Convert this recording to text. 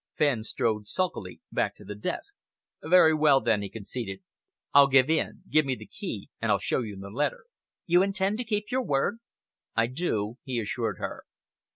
Fenn strode sulkily back to the desk. "Very well, then," he conceded, "I give in. Give me the key, and I'll show you the letter." "You intend to keep your word?" "I do," he assured her.